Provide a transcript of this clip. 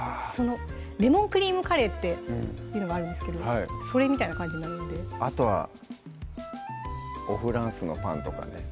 レモンクリームカレーっていうのがあるんですけどそれみたいな感じになるんであとはおフランスのパンとかね